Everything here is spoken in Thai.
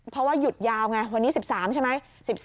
เพราะว่าหยุดยาวไงวันนี้๑๓ใช่ไหม